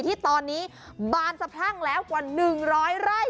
ที่ตอนนี้บานสะพรั่งแล้วกว่า๑๐๐ไร่